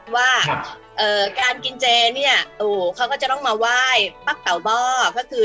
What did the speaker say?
ว่าการกินเจโอ้เขาก็จะต้องมาไหวก็คือ